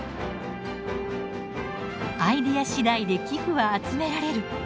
アイデア次第で寄付は集められる。